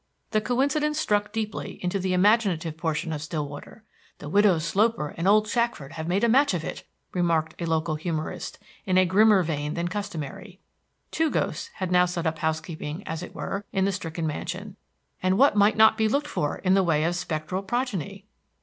The coincidence struck deeply into the imaginative portion of Stillwater. "The Widow Sloper and old Shackford have made a match of it," remarked a local humorist, in a grimmer vein than customary. Two ghosts had now set up housekeeping, as it were, in the stricken mansion, and what might not be looked for in the way of spectral progeny!